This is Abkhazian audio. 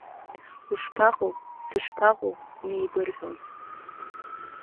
Ушԥаҟоу, сышԥаҟоу неибырҳәон.